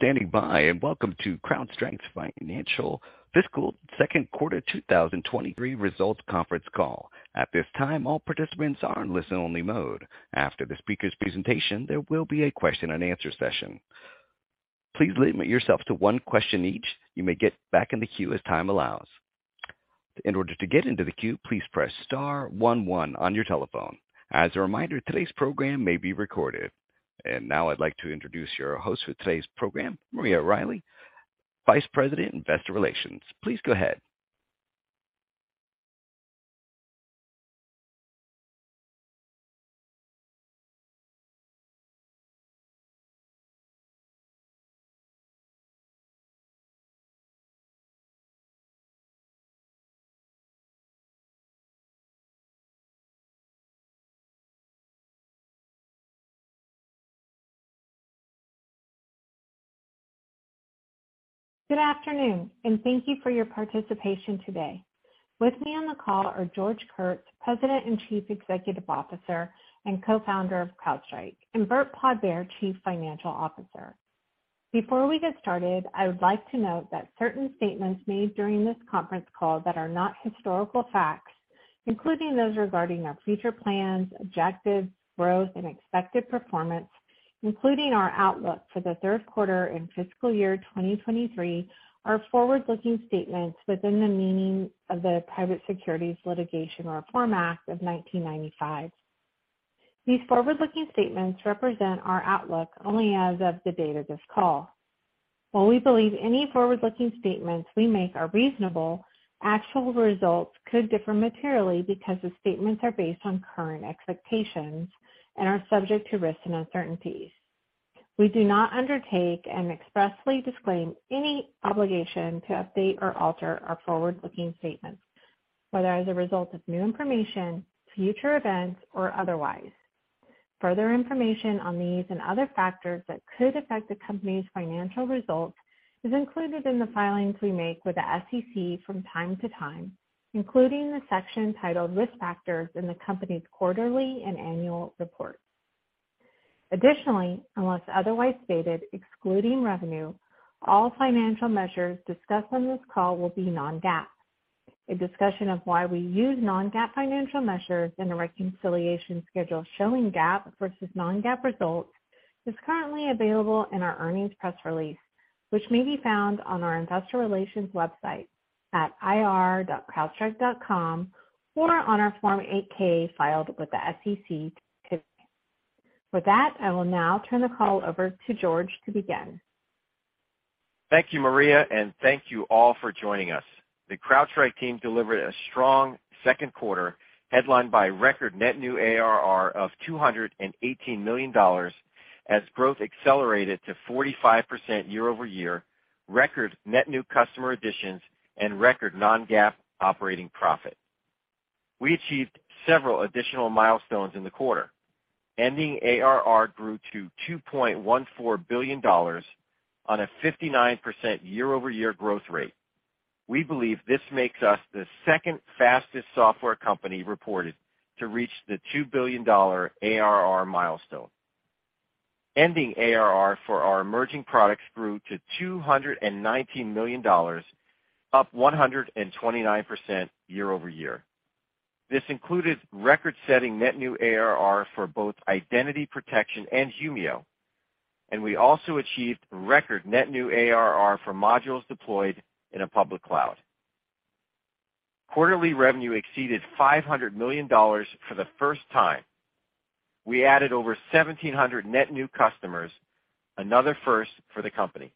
Thank you for standing by and welcome to CrowdStrike's Financial Fiscal Second Quarter 2023 Results Conference Call. At this time, all participants are in listen-only mode. After the speaker's presentation, there will be a question and answer session. Please limit yourself to one question each. You may get back in the queue as time allows. In order to get into the queue, please press star one one on your telephone. As a reminder, today's program may be recorded. Now I'd like to introduce your host for today's program, Maria Riley, Vice President, Investor Relations. Please go ahead. Good afternoon, and thank you for your participation today. With me on the call are George Kurtz, President and Chief Executive Officer and Co-founder of CrowdStrike, and Burt Podbere, Chief Financial Officer. Before we get started, I would like to note that certain statements made during this conference call that are not historical facts, including those regarding our future plans, objectives, growth, and expected performance, including our outlook for the third quarter and fiscal year 2023, are forward-looking statements within the meaning of the Private Securities Litigation Reform Act of 1995. These forward-looking statements represent our outlook only as of the date of this call. While we believe any forward-looking statements we make are reasonable, actual results could differ materially because the statements are based on current expectations and are subject to risks and uncertainties. We do not undertake and expressly disclaim any obligation to update or alter our forward-looking statements, whether as a result of new information, future events or otherwise. Further information on these and other factors that could affect the company's financial results is included in the filings we make with the SEC from time to time, including the section titled Risk Factors in the company's quarterly and annual reports. Additionally, unless otherwise stated, excluding revenue, all financial measures discussed on this call will be non-GAAP. A discussion of why we use non-GAAP financial measures and a reconciliation schedule showing GAAP versus non-GAAP results is currently available in our earnings press release, which may be found on our investor relations website at ir.crowdstrike.com, or on our Form 8-K filed with the SEC today. With that, I will now turn the call over to George to begin. Thank you, Maria, and thank you all for joining us. The CrowdStrike team delivered a strong second quarter headlined by record net new ARR of $218 million as growth accelerated to 45% year-over-year, record net new customer additions and record non-GAAP operating profit. We achieved several additional milestones in the quarter. Ending ARR grew to $2.14 billion on a 59% year-over-year growth rate. We believe this makes us the second fastest software company reported to reach the $2 billion ARR milestone. Ending ARR for our emerging products grew to $219 million, up 129% year-over-year. This included record-setting net new ARR for both identity protection and Humio, and we also achieved record net new ARR for modules deployed in a public cloud. Quarterly revenue exceeded $500 million for the first time. We added over 1,700 net new customers, another first for the company.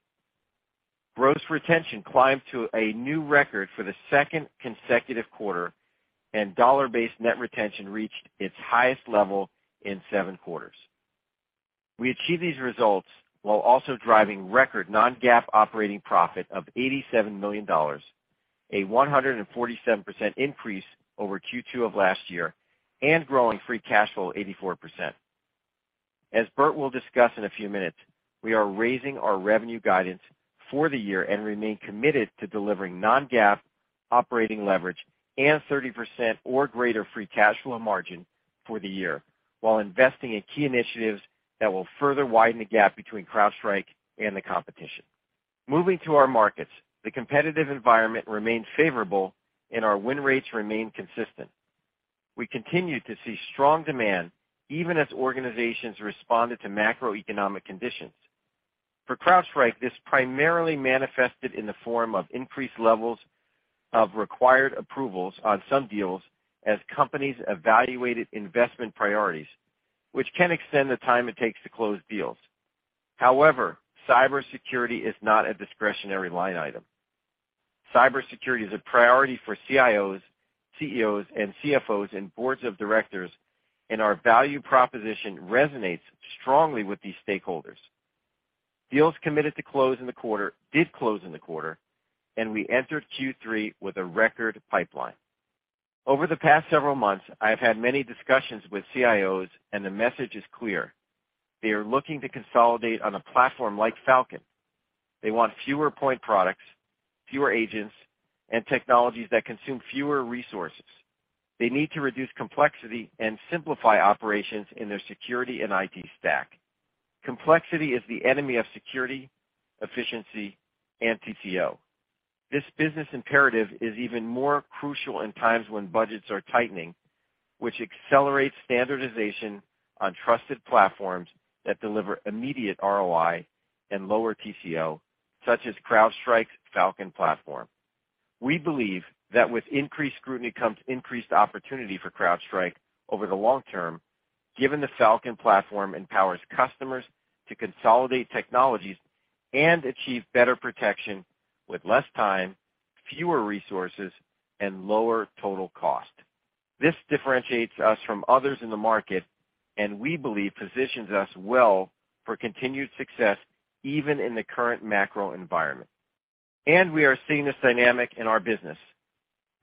Gross retention climbed to a new record for the second consecutive quarter, and dollar-based net retention reached its highest level in seven quarters. We achieved these results while also driving record non-GAAP operating profit of $87 million, a 147% increase over Q2 of last year, and growing free cash flow 84%. As Burt will discuss in a few minutes, we are raising our revenue guidance for the year and remain committed to delivering non-GAAP operating leverage and 30% or greater free cash flow margin for the year, while investing in key initiatives that will further widen the gap between CrowdStrike and the competition. Moving to our markets, the competitive environment remained favorable and our win rates remained consistent. We continued to see strong demand even as organizations responded to macroeconomic conditions. For CrowdStrike, this primarily manifested in the form of increased levels of required approvals on some deals as companies evaluated investment priorities, which can extend the time it takes to close deals. However, cybersecurity is not a discretionary line item. Cybersecurity is a priority for CIOs, CEOs, and CFOs and boards of directors, and our value proposition resonates strongly with these stakeholders. Deals committed to close in the quarter did close in the quarter, and we entered Q3 with a record pipeline. Over the past several months, I have had many discussions with CIOs, and the message is clear: they are looking to consolidate on a platform like Falcon. They want fewer point products, fewer agents, and technologies that consume fewer resources. They need to reduce complexity and simplify operations in their security and IT stack. Complexity is the enemy of security, efficiency, and TCO. This business imperative is even more crucial in times when budgets are tightening, which accelerates standardization on trusted platforms that deliver immediate ROI and lower TCO, such as CrowdStrike's Falcon platform. We believe that with increased scrutiny comes increased opportunity for CrowdStrike over the long-term, given the Falcon platform empowers customers to consolidate technologies and achieve better protection with less time, fewer resources, and lower total cost. This differentiates us from others in the market, and we believe positions us well for continued success even in the current macro environment. We are seeing this dynamic in our business.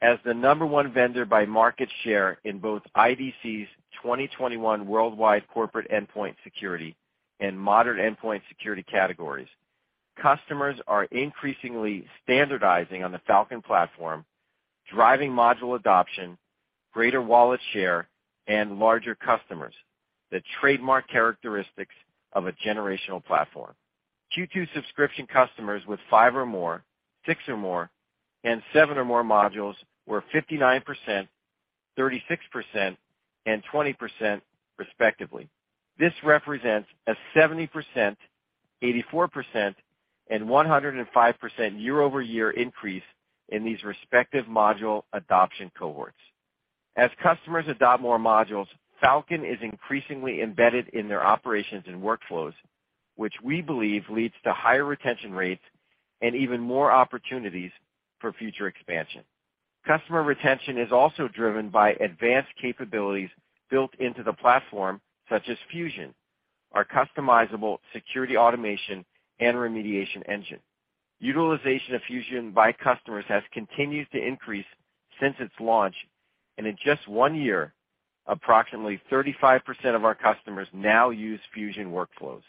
As the number one vendor by market share in both IDC's 2021 Worldwide Corporate Endpoint Security and Modern Endpoint Security categories, customers are increasingly standardizing on the Falcon platform, driving module adoption, greater wallet share, and larger customers, the trademark characteristics of a generational platform. Q2 subscription customers with five or more, six or more, and seven or more modules were 59%, 36%, and 20% respectively. This represents a 70%, 84%, and 105% year-over-year increase in these respective module adoption cohorts. As customers adopt more modules, Falcon is increasingly embedded in their operations and workflows, which we believe leads to higher retention rates and even more opportunities for future expansion. Customer retention is also driven by advanced capabilities built into the platform, such as Fusion, our customizable security automation and remediation engine. Utilization of Fusion by customers has continued to increase since its launch, and in just one year, approximately 35% of our customers now use Fusion workflows.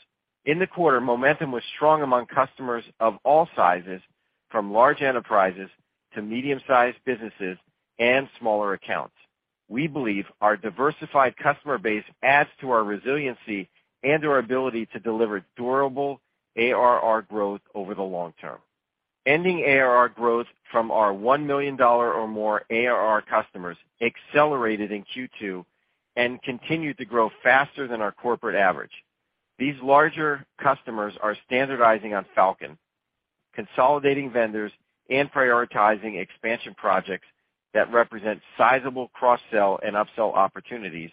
In the quarter, momentum was strong among customers of all sizes from large enterprises to medium-sized businesses and smaller accounts. We believe our diversified customer base adds to our resiliency and our ability to deliver durable ARR growth over the long-term. Ending ARR growth from our $1 million or more ARR customers accelerated in Q2 and continued to grow faster than our corporate average. These larger customers are standardizing on Falcon, consolidating vendors, and prioritizing expansion projects that represent sizable cross-sell and upsell opportunities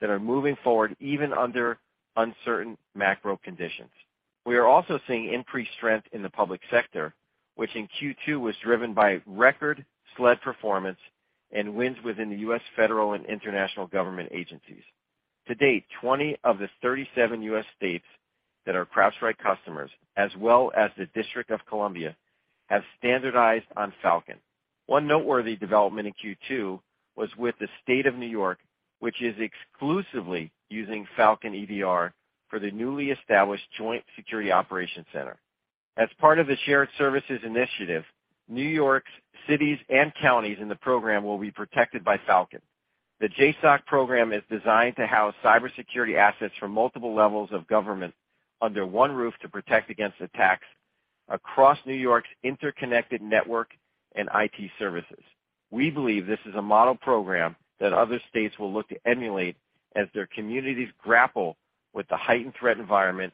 that are moving forward even under uncertain macro conditions. We are also seeing increased strength in the public sector, which in Q2 was driven by record SLED performance and wins within the U.S. federal and international government agencies. To date, 20 of the 37 U.S. states that are CrowdStrike customers, as well as the District of Columbia, have standardized on Falcon. One noteworthy development in Q2 was with the State of New York, which is exclusively using Falcon EDR for the newly established Joint Security Operations Center. As part of the Shared Services Initiative, New York's cities and counties in the program will be protected by Falcon. The JSOC program is designed to house cybersecurity assets from multiple levels of government under one roof to protect against attacks across New York's interconnected network and IT services. We believe this is a model program that other states will look to emulate as their communities grapple with the heightened threat environment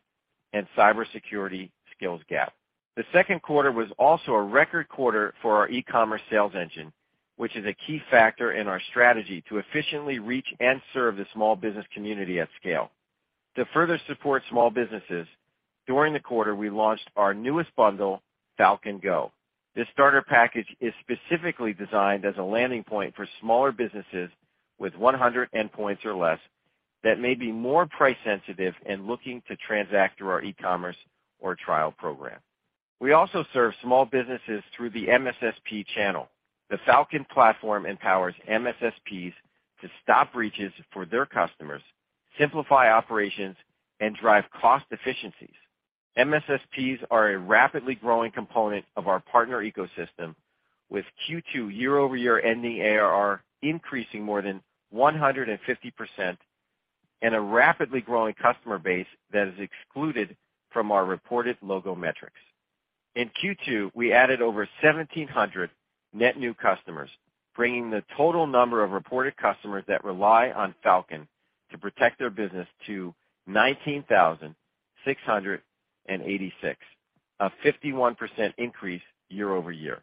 and cybersecurity skills gap. The second quarter was also a record quarter for our e-commerce sales engine, which is a key factor in our strategy to efficiently reach and serve the small business community at scale. To further support small businesses, during the quarter, we launched our newest bundle, Falcon Go. This starter package is specifically designed as a landing point for smaller businesses with 100 endpoints or less that may be more price sensitive and looking to transact through our e-commerce or trial program. We also serve small businesses through the MSSP channel. The Falcon platform empowers MSSPs to stop breaches for their customers, simplify operations, and drive cost efficiencies. MSSPs are a rapidly growing component of our partner ecosystem, with Q2 year-over-year ending ARR increasing more than 150% and a rapidly growing customer base that is excluded from our reported logo metrics. In Q2, we added over 1,700 net new customers, bringing the total number of reported customers that rely on Falcon to protect their business to 19,686, a 51% increase year-over-year.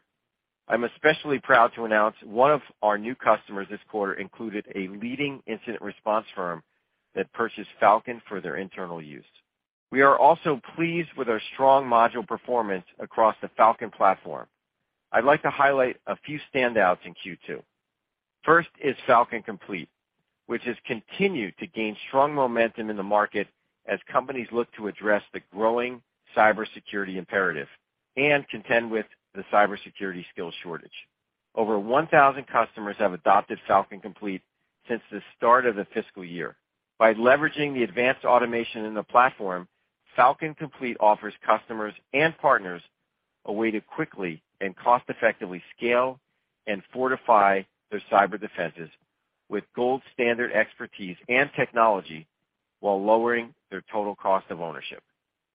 I'm especially proud to announce one of our new customers this quarter included a leading incident response firm that purchased Falcon for their internal use. We are also pleased with our strong module performance across the Falcon platform. I'd like to highlight a few standouts in Q2. First is Falcon Complete, which has continued to gain strong momentum in the market as companies look to address the growing cybersecurity imperative and contend with the cybersecurity skills shortage. Over 1,000 customers have adopted Falcon Complete since the start of the fiscal year. By leveraging the advanced automation in the platform, Falcon Complete offers customers and partners a way to quickly and cost-effectively scale and fortify their cyber defenses with gold standard expertise and technology while lowering their total cost of ownership.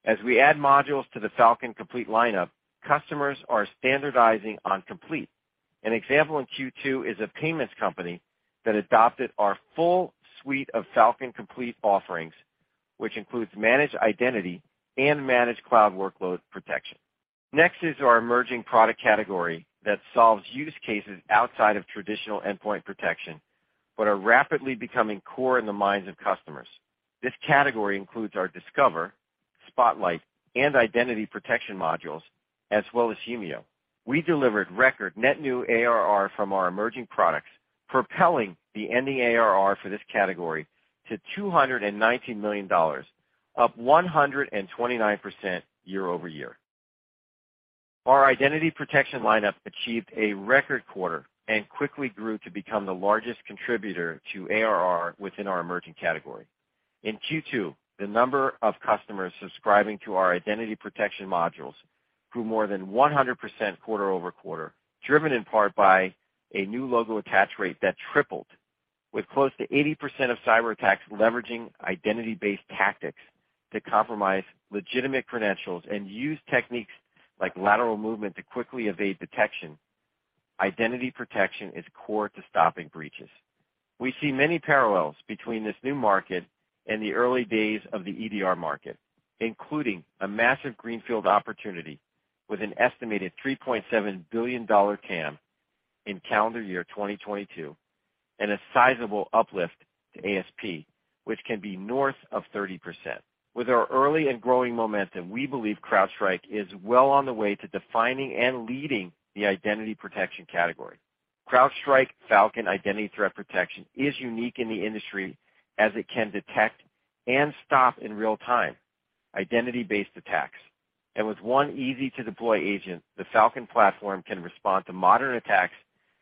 As we add modules to the Falcon Complete lineup, customers are standardizing on Complete. An example in Q2 is a payments company that adopted our full suite of Falcon Complete offerings, which includes managed identity and managed cloud workload protection. Next is our emerging product category that solves use cases outside of traditional endpoint protection, but are rapidly becoming core in the minds of customers. This category includes our Discover, Spotlight, and Identity Protection modules, as well as Humio. We delivered record net new ARR from our emerging products, propelling the ending ARR for this category to $219 million, up 129% year-over-year. Our identity protection lineup achieved a record quarter and quickly grew to become the largest contributor to ARR within our emerging category. In Q2, the number of customers subscribing to our identity protection modules grew more than 100% quarter-over-quarter, driven in part by a new logo attach rate that tripled. With close to 80% of cyberattacks leveraging identity-based tactics to compromise legitimate credentials and use techniques like lateral movement to quickly evade detection, identity protection is core to stopping breaches. We see many parallels between this new market and the early days of the EDR market, including a massive greenfield opportunity with an estimated $3.7 billion TAM in calendar year 2022, and a sizable uplift to ASP, which can be north of 30%. With our early and growing momentum, we believe CrowdStrike is well on the way to defining and leading the identity protection category. CrowdStrike Falcon Identity Threat Protection is unique in the industry as it can detect and stop in real time identity-based attacks. With one easy-to-deploy agent, the Falcon platform can respond to modern attacks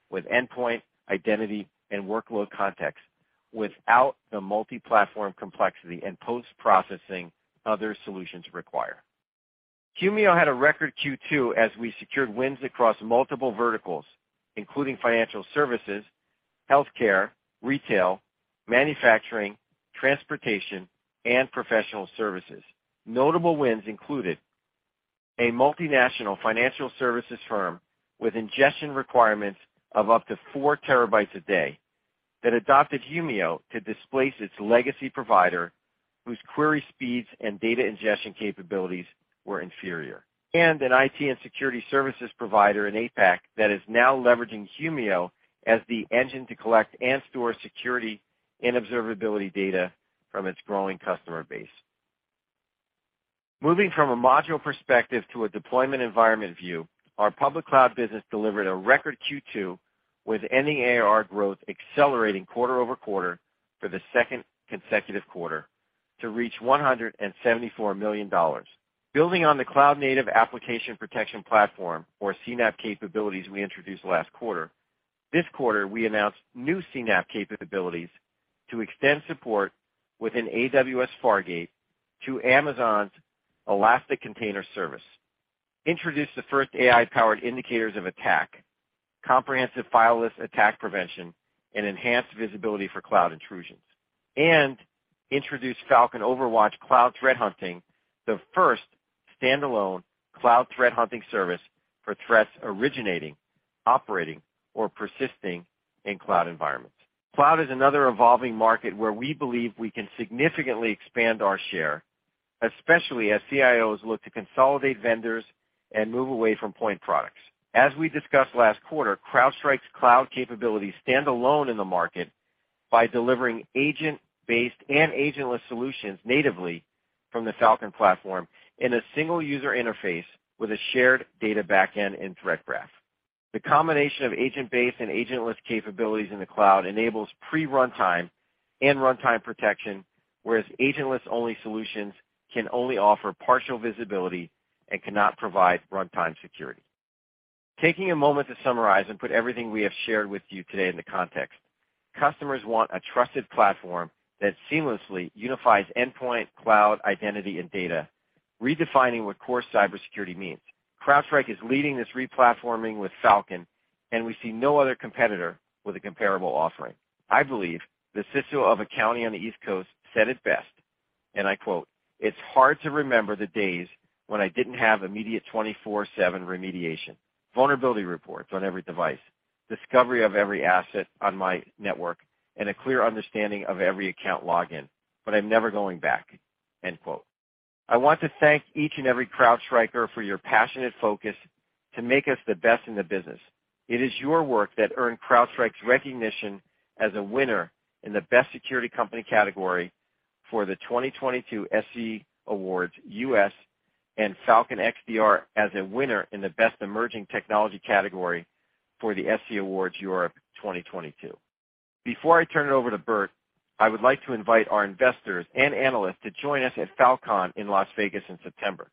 with endpoint, identity, and workload context without the multi-platform complexity and post-processing other solutions require. Humio had a record Q2 as we secured wins across multiple verticals, including financial services, healthcare, retail, manufacturing, transportation, and professional services. Notable wins included a multinational financial services firm with ingestion requirements of up to 4 TB a day that adopted Humio to displace its legacy provider, whose query speeds and data ingestion capabilities were inferior, and an IT and security services provider in APAC that is now leveraging Humio as the engine to collect and store security and observability data from its growing customer base. Moving from a module perspective to a deployment environment view, our public cloud business delivered a record Q2 with ending ARR growth accelerating quarter-over-quarter for the second consecutive quarter to reach $174 million. Building on the cloud native application protection platform, or CNAPP capabilities we introduced last quarter, this quarter, we announced new CNAPP capabilities to extend support within AWS Fargate to Amazon Elastic Container Service, introduced the first AI-powered indicators of attack, comprehensive fileless attack prevention, and enhanced visibility for cloud intrusions, and introduced Falcon OverWatch Cloud Threat Hunting, the first standalone cloud threat hunting service for threats originating, operating, or persisting in cloud environments. Cloud is another evolving market where we believe we can significantly expand our share, especially as CIOs look to consolidate vendors and move away from point products. As we discussed last quarter, CrowdStrike's cloud capabilities stand alone in the market by delivering agent-based and agentless solutions natively from the Falcon platform in a single user interface with a shared data back-end and threat graph. The combination of agent-based and agentless capabilities in the cloud enables pre-runtime and runtime protection, whereas agentless-only solutions can only offer partial visibility and cannot provide runtime security. Taking a moment to summarize and put everything we have shared with you today into context, customers want a trusted platform that seamlessly unifies endpoint, cloud, identity, and data, redefining what core cybersecurity means. CrowdStrike is leading this replatforming with Falcon, and we see no other competitor with a comparable offering. I believe the CISO of a county on the East Coast said it best, and I quote, "It's hard to remember the days when I didn't have immediate 24/7 remediation, vulnerability reports on every device, discovery of every asset on my network, and a clear understanding of every account login, but I'm never going back." I want to thank each and every CrowdStriker for your passionate focus to make us the best in the business. It is your work that earned CrowdStrike's recognition as a winner in the Best Security Company category for the 2022 SC Awards U.S. and Falcon XDR as a winner in the Best Emerging Technology category for the SC Awards Europe 2022. Before I turn it over to Burt, I would like to invite our investors and analysts to join us at Falcon in Las Vegas in September.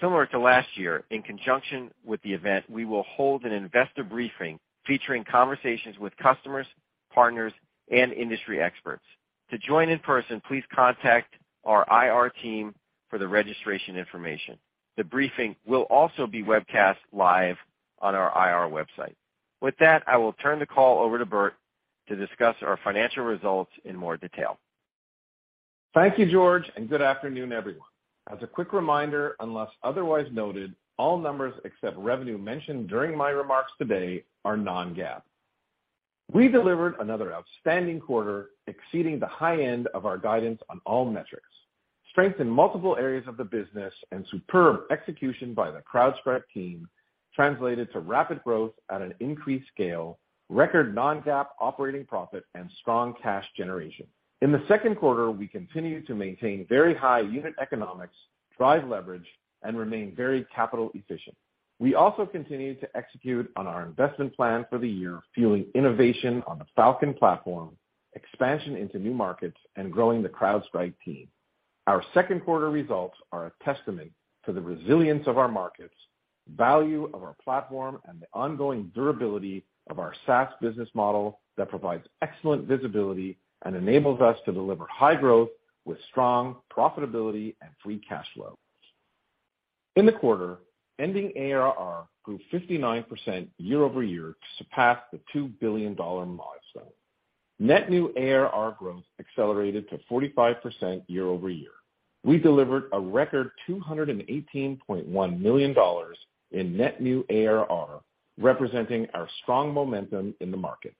Similar to last year, in conjunction with the event, we will hold an investor briefing featuring conversations with customers, partners, and industry experts. To join in person, please contact our IR team for the registration information. The briefing will also be webcast live on our IR website. With that, I will turn the call over to Burt to discuss our financial results in more detail. Thank you, George, and good afternoon, everyone. As a quick reminder, unless otherwise noted, all numbers except revenue mentioned during my remarks today are non-GAAP. We delivered another outstanding quarter, exceeding the high end of our guidance on all metrics. Strength in multiple areas of the business and superb execution by the CrowdStrike team translated to rapid growth at an increased scale, record non-GAAP operating profit, and strong cash generation. In the second quarter, we continued to maintain very high unit economics, drive leverage, and remain very capital efficient. We also continued to execute on our investment plan for the year, fueling innovation on the Falcon platform, expansion into new markets, and growing the CrowdStrike team. Our second quarter results are a testament to the resilience of our markets, value of our platform, and the ongoing durability of our SaaS business model that provides excellent visibility and enables us to deliver high growth with strong profitability and free cash flow. In the quarter, ending ARR grew 59% year-over-year to surpass the $2 billion milestone. Net new ARR growth accelerated to 45% year-over-year. We delivered a record $218.1 million in net new ARR, representing our strong momentum in the market.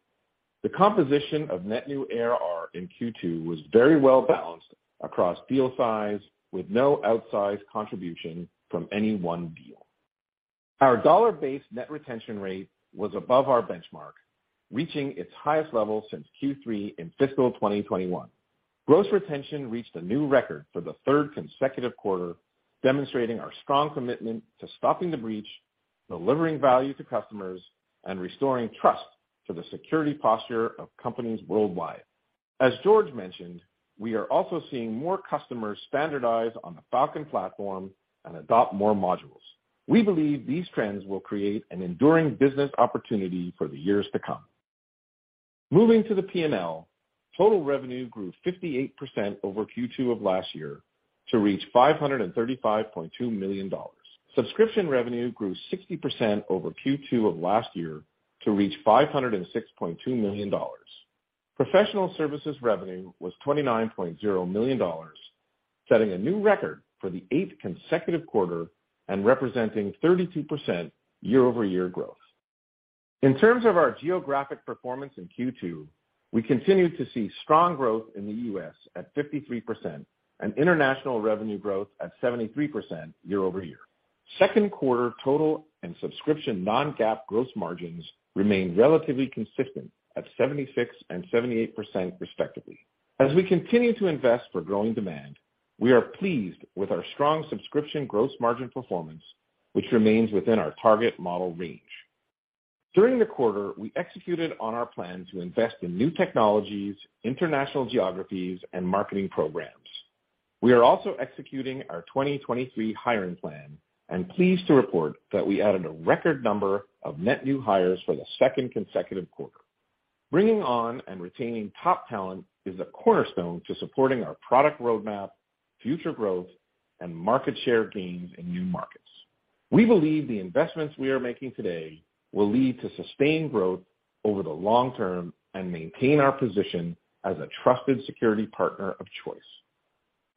The composition of net new ARR in Q2 was very well-balanced across deal size with no outsized contribution from any one deal. Our dollar-based net retention rate was above our benchmark, reaching its highest level since Q3 in fiscal 2021. Gross retention reached a new record for the third consecutive quarter, demonstrating our strong commitment to stopping the breach, delivering value to customers, and restoring trust to the security posture of companies worldwide. As George mentioned, we are also seeing more customers standardize on the Falcon platform and adopt more modules. We believe these trends will create an enduring business opportunity for the years to come. Moving to the P&L, total revenue grew 58% over Q2 of last year to reach $535.2 million. Subscription revenue grew 60% over Q2 of last year to reach $506.2 million. Professional services revenue was $29.0 million, setting a new record for the eighth consecutive quarter and representing 32% year-over-year growth. In terms of our geographic performance in Q2, we continued to see strong growth in the U.S. at 53% and international revenue growth at 73% year-over-year. Second quarter total and subscription non-GAAP gross margins remain relatively consistent at 76% and 78% respectively. As we continue to invest for growing demand, we are pleased with our strong subscription gross margin performance, which remains within our target model range. During the quarter, we executed on our plan to invest in new technologies, international geographies, and marketing programs. We are also executing our 2023 hiring plan and pleased to report that we added a record number of net new hires for the second consecutive quarter. Bringing on and retaining top talent is a cornerstone to supporting our product roadmap, future growth, and market share gains in new markets. We believe the investments we are making today will lead to sustained growth over the long-term and maintain our position as a trusted security partner of choice.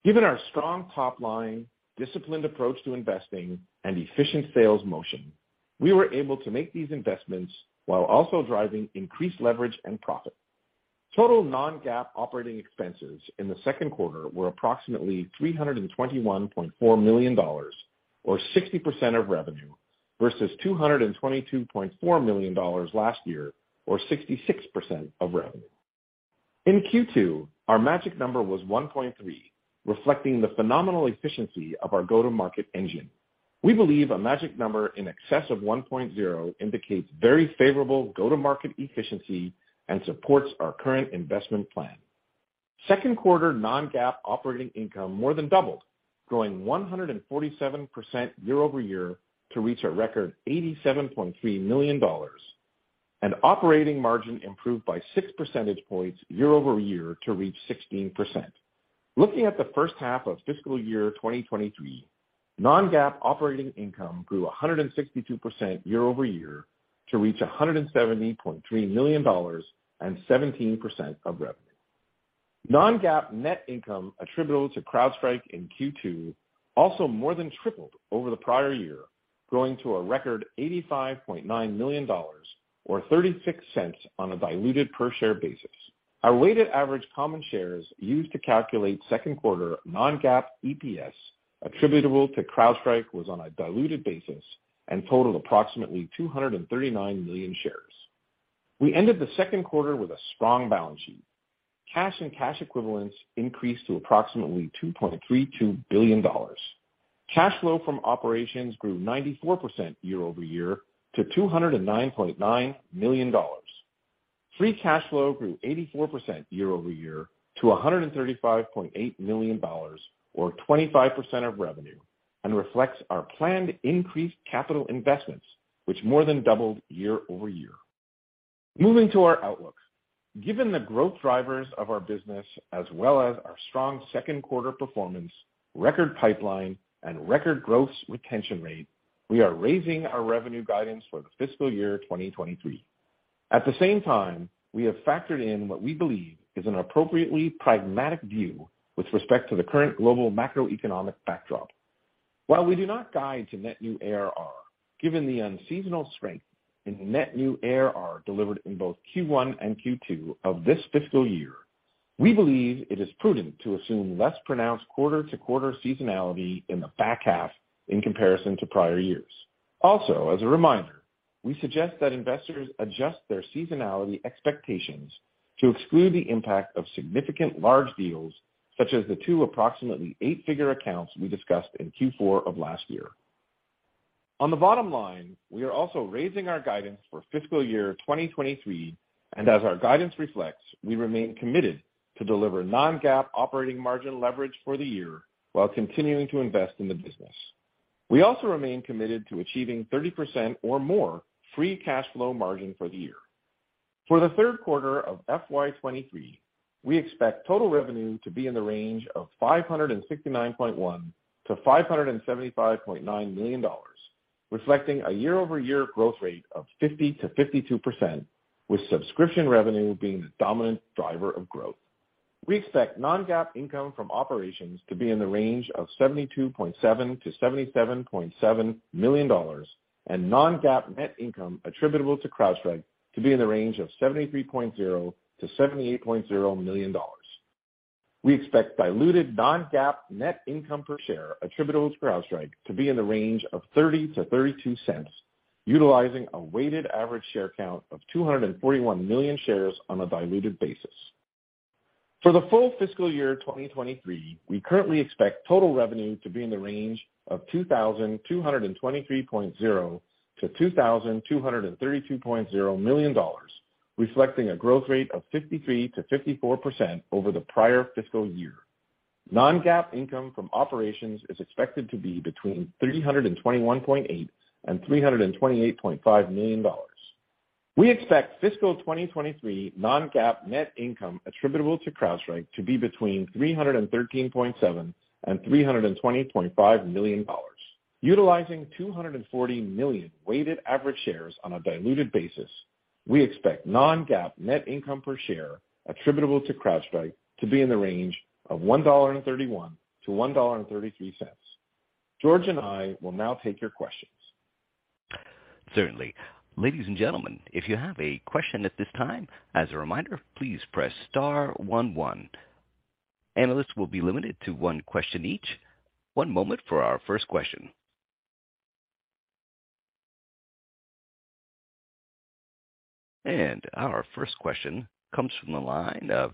Given our strong top line, disciplined approach to investing, and efficient sales motion, we were able to make these investments while also driving increased leverage and profit. Total non-GAAP operating expenses in the second quarter were approximately $321.4 million or 60% of revenue, versus $222.4 million last year or 66% of revenue. In Q2, our magic number was 1.3, reflecting the phenomenal efficiency of our go-to-market engine. We believe a magic number in excess of 1.0 indicates very favorable go-to-market efficiency and supports our current investment plan. Second quarter non-GAAP operating income more than doubled, growing 147% year-over-year to reach a record $87.3 million, and operating margin improved by six percentage points year-over-year to reach 16%. Looking at the first half of fiscal year 2023, non-GAAP operating income grew 162% year-over-year to reach $170.3 million and 17% of revenue. Non-GAAP net income attributable to CrowdStrike in Q2 also more than tripled over the prior-year, growing to a record $85.9 million or $0.36 on a diluted per share basis. Our weighted average common shares used to calculate second quarter non-GAAP EPS attributable to CrowdStrike was on a diluted basis and totaled approximately 239 million shares. We ended the second quarter with a strong balance sheet. Cash and cash equivalents increased to approximately $2.32 billion. Cash flow from operations grew 94% year-over-year to $209.9 million. Free cash flow grew 84% year-over-year to $135.8 million or 25% of revenue, and reflects our planned increased capital investments, which more than doubled year-over-year. Moving to our outlook. Given the growth drivers of our business as well as our strong second quarter performance, record pipeline, and record growth retention rate, we are raising our revenue guidance for the fiscal year 2023. At the same time, we have factored in what we believe is an appropriately pragmatic view with respect to the current global macroeconomic backdrop. While we do not guide to net new ARR, given the unseasonal strength in net new ARR delivered in both Q1 and Q2 of this fiscal year, we believe it is prudent to assume less pronounced quarter-to-quarter seasonality in the back half in comparison to prior years. Also, as a reminder, we suggest that investors adjust their seasonality expectations to exclude the impact of significant large deals such as the two approximately eight-figure accounts we discussed in Q4 of last year. On the bottom line, we are also raising our guidance for fiscal year 2023, and as our guidance reflects, we remain committed to deliver non-GAAP operating margin leverage for the year while continuing to invest in the business. We also remain committed to achieving 30% or more free cash flow margin for the year. For the third quarter of FY 2023, we expect total revenue to be in the range of $569.1 million-$575.9 million, reflecting a year-over-year growth rate of 50%-52%, with subscription revenue being the dominant driver of growth. We expect non-GAAP income from operations to be in the range of $72.7 million-$77.7 million, and non-GAAP net income attributable to CrowdStrike to be in the range of $73.0 million-$78.0 million. We expect diluted non-GAAP net income per share attributable to CrowdStrike to be in the range of $0.30-$0.32, utilizing a weighted average share count of 241 million shares on a diluted basis. For the full fiscal year 2023, we currently expect total revenue to be in the range of $2,223.0 million-$2,232.0 million, reflecting a growth rate of 53%-54% over the prior fiscal year. Non-GAAP income from operations is expected to be between $321.8 million-$328.5 million. We expect fiscal 2023 non-GAAP net income attributable to CrowdStrike to be between $313.7 million-$320.5 million. Utilizing 240 million weighted average shares on a diluted basis, we expect non-GAAP net income per share attributable to CrowdStrike to be in the range of $1.31-$1.33. George and I will now take your questions. Certainly. Ladies and gentlemen, if you have a question at this time, as a reminder, please press star one one. Analysts will be limited to one question each. One moment for our first question. Our first question comes from the line of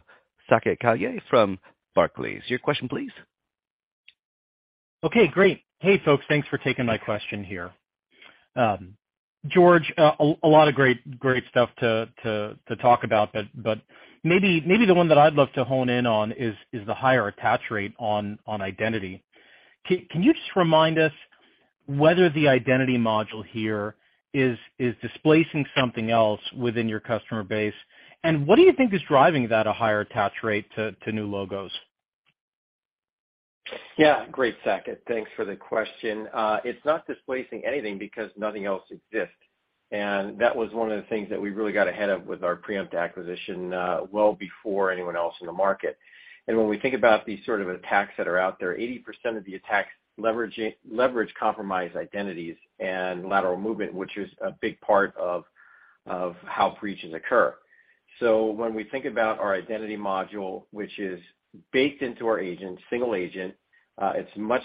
Saket Kalia from Barclays. Your question, please. Okay, great. Hey, folks. Thanks for taking my question here. George, a lot of great stuff to talk about, but maybe the one that I'd love to hone in on is the higher attach rate on Identity. Can you just remind us whether the Identity module here is displacing something else within your customer base? And what do you think is driving that higher attach rate to new logos? Great, Saket. Thanks for the question. It's not displacing anything because nothing else exists, and that was one of the things that we really got ahead of with our Preempt acquisition, well before anyone else in the market. When we think about these sort of attacks that are out there, 80% of the attacks leverage compromised identities and lateral movement, which is a big part of how breaches occur. When we think about our Identity module, which is baked into our agent, single agent, it's much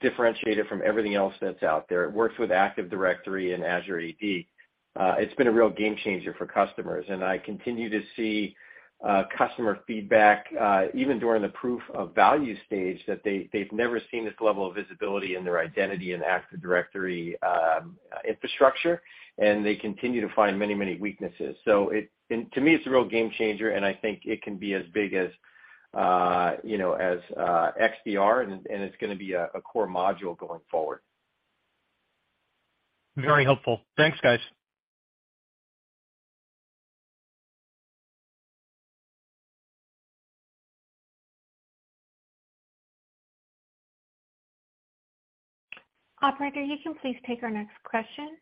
differentiated from everything else that's out there. It works with Active Directory and Azure AD. It's been a real game changer for customers, and I continue to see customer feedback even during the proof of value stage, that they've never seen this level of visibility in their identity and Active Directory infrastructure, and they continue to find many weaknesses. And to me, it's a real game changer, and I think it can be as big as, you know, as XDR, and it's gonna be a core module going forward. Very helpful. Thanks, guys. Operator, you can please take our next question.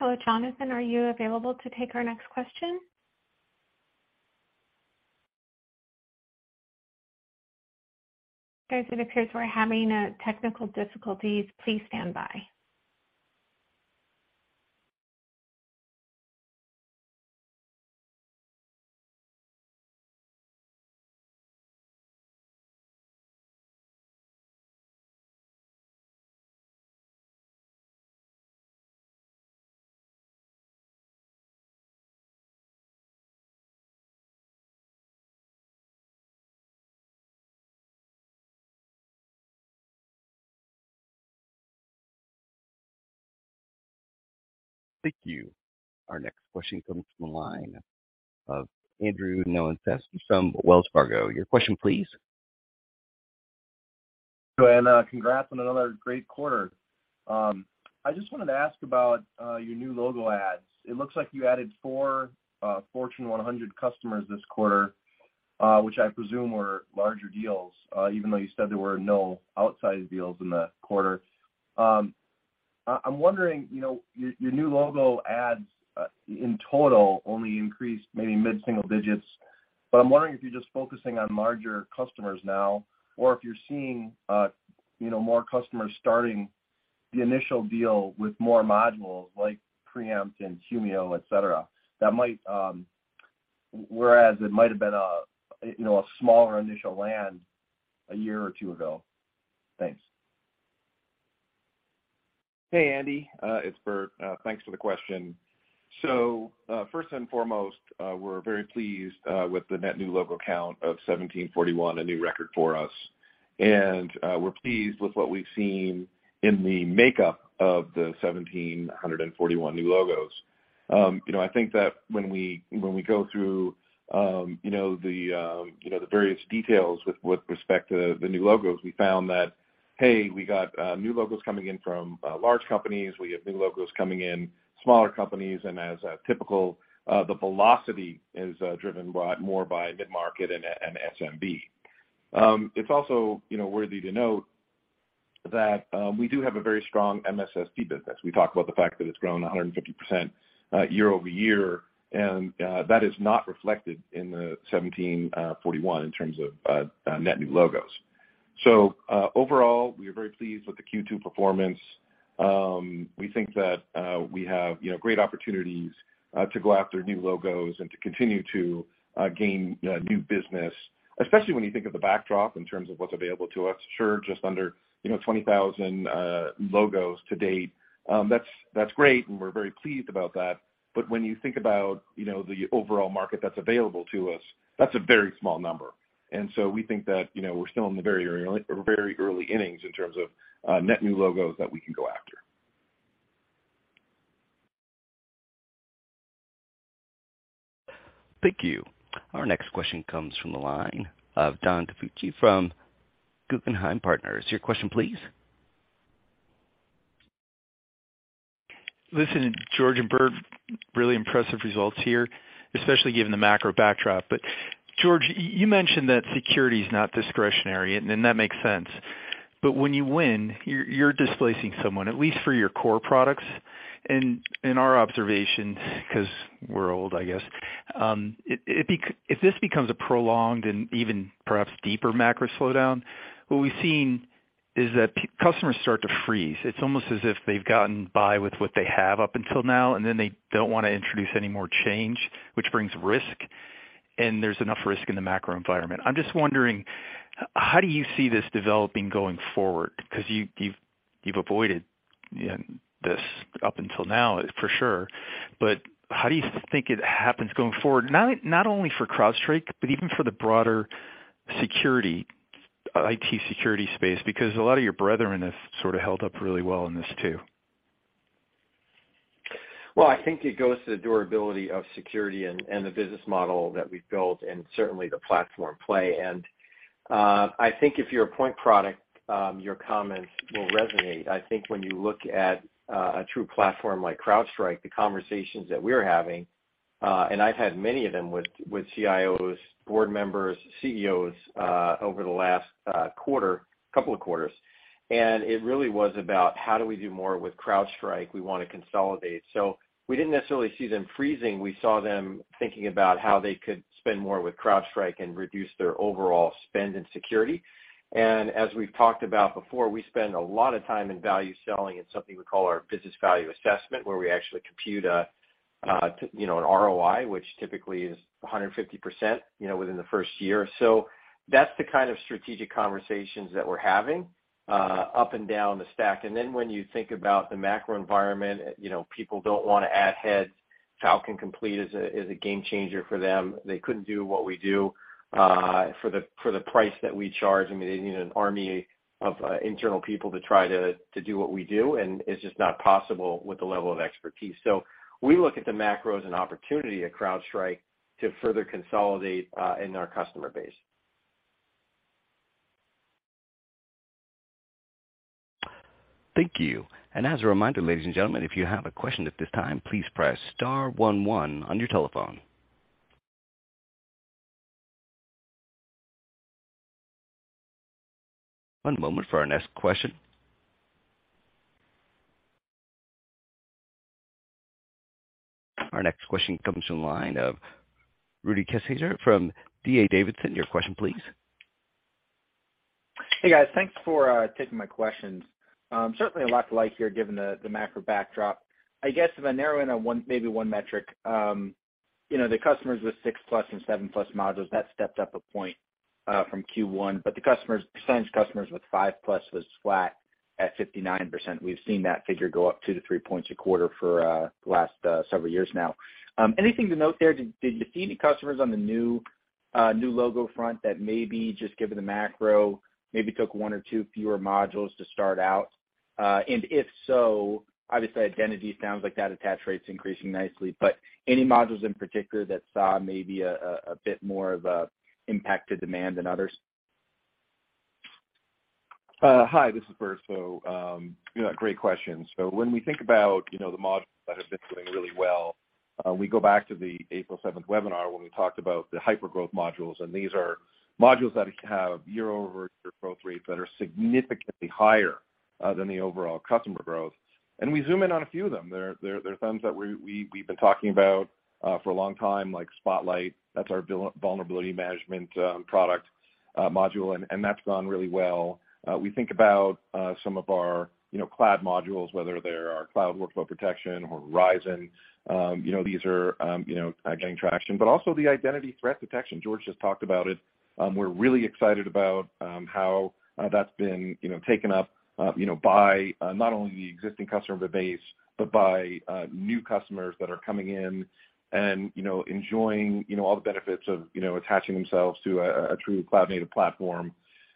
Hello, Jonathan, are you available to take our next question? Guys, it appears we're having technical difficulties. Please stand by. Thank you. Our next question comes from the line of Andrew Nowinski from Wells Fargo. Your question please. Congrats on another great quarter. I just wanted to ask about your new logo adds. It looks like you added 4 Fortune 100 customers this quarter, which I presume were larger deals, even though you said there were no outsized deals in the quarter. I'm wondering, you know, your new logo adds in total only increased maybe mid-single digits. I'm wondering if you're just focusing on larger customers now or if you're seeing, you know, more customers starting the initial deal with more modules like Preempt and Humio, etc. That might whereas it might have been a, you know, a smaller initial land a year or two ago. Thanks. Hey, Andy, it's Burt. Thanks for the question. First and foremost, we're very pleased with the net new logo count of 1,741, a new record for us. We're pleased with what we've seen in the makeup of the 1,741 new logos. You know, I think that when we go through you know the various details with respect to the new logos, we found that, we got new logos coming in from large companies. We have new logos coming in smaller companies, and as typical, the velocity is driven more by mid-market and SMB. It's also you know worthy to note that we do have a very strong MSSP business. We talked about the fact that it's grown 150% year-over-year, and that is not reflected in the 1,741 in terms of net new logos. Overall, we are very pleased with the Q2 performance. We think that we have, you know, great opportunities to go after new logos and to continue to gain new business, especially when you think of the backdrop in terms of what's available to us. Sure, just under, you know, 20,000 logos to date. That's great, and we're very pleased about that. When you think about, you know, the overall market that's available to us, that's a very small number. We think that, you know, we're still in the very early innings in terms of net new logos that we can go after. Thank you. Our next question comes from the line of John DiFucci from Guggenheim Partners. Your question please. Listen, George and Burt, really impressive results here, especially given the macro backdrop. George, you mentioned that security is not discretionary, and that makes sense. When you win, you're displacing someone, at least for your core products. In our observation, because we're old, I guess, if this becomes a prolonged and even perhaps deeper macro slowdown, what we've seen is that customers start to freeze. It's almost as if they've gotten by with what they have up until now, and then they don't want to introduce any more change, which brings risk, and there's enough risk in the macro environment. I'm just wondering, how do you see this developing going forward? Because you've avoided this up until now, for sure. How do you think it happens going forward? Not only for CrowdStrike, but even for the broader security, IT security space, because a lot of your brethren have sort of held up really well in this too. Well, I think it goes to the durability of security and the business model that we've built and certainly the platform play. I think if you're a point product, your comments will resonate. I think when you look at a true platform like CrowdStrike, the conversations that we're having, and I've had many of them with CIOs, board members, CEOs, over the last quarter, couple of quarters, and it really was about how do we do more with CrowdStrike? We want to consolidate. We didn't necessarily see them freezing. We saw them thinking about how they could spend more with CrowdStrike and reduce their overall spend in security. As we've talked about before, we spend a lot of time in value selling in something we call our Business Value Assessment, where we actually compute a, you know, an ROI, which typically is 150%, you know, within the first year. That's the kind of strategic conversations that we're having up and down the stack. When you think about the macro environment, you know, people don't want to add heads. Falcon Complete is a game changer for them. They couldn't do what we do for the price that we charge. I mean, they need an army of internal people to try to do what we do, and it's just not possible with the level of expertise. We look at the macro as an opportunity at CrowdStrike to further consolidate in our customer base. Thank you. As a reminder, ladies and gentlemen, if you have a question at this time, please press star one one on your telephone. One moment for our next question. Our next question comes from the line of Rudy Kessinger from D.A. Davidson. Your question, please. Hey, guys. Thanks for taking my questions. Certainly a lot to like here given the macro backdrop. I guess if I narrow in on one, maybe one metric, you know, the customers with six plus and seven plus modules, that stepped up one point from Q1, but the customers with five plus was flat at 59%. We've seen that figure go up 2-3 points a quarter for the last several years now. Anything to note there? Did you see any customers on the new logo front that maybe just given the macro, maybe took one or two fewer modules to start out? If so, obviously, identity sounds like that attach rate's increasing nicely, but any modules in particular that saw maybe a bit more of an impact to demand than others? Hi, this is Burt. Yeah, great question. When we think about, you know, the modules that have been doing really well, we go back to the April 7 webinar when we talked about the hypergrowth modules, and these are modules that have year-over-year growth rates that are significantly higher than the overall customer growth. We zoom in on a few of them. They're things that we've been talking about for a long time, like Spotlight. That's our built-in vulnerability management product module, and that's gone really well. We think about some of our, you know, cloud modules, whether they're our cloud workload protection or Horizon. You know, these are gaining traction. Also the Identity threat detection, George just talked about it. We're really excited about how that's been, you know, taken up, you know, by not only the existing customer base, but by new customers that are coming in and, you know, enjoying, you know, all the benefits of, you know, attaching themselves to a true cloud-native platform.